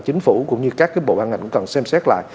chính phủ cũng như các bộ ban ngành cũng cần xem xét lại